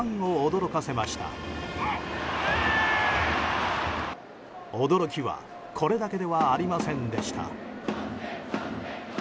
驚きはこれだけではありませんでした。